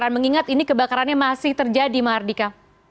mengingat ini kebakarannya masih terjadi mahardika